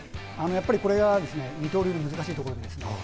やっぱりこれが二刀流の難しいところです。